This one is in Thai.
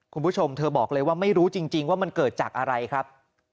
คุณผู้ชมเธอบอกเลยว่าไม่รู้จริงว่ามันเกิดจากอะไรครับ